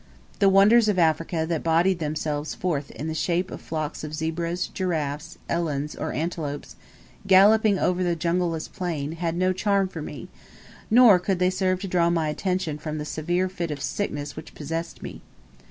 The wonders of Africa that bodied themselves forth in the shape of flocks of zebras, giraffes, elands, or antelopes, galloping over the jungleless plain, had no charm for me; nor could they serve to draw my attention from the severe fit of sickness which possessed me.